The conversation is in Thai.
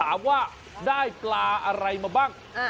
ถามว่าได้ปลาอะไรมาบ้าง